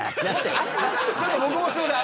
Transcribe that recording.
ちょっと僕もすいません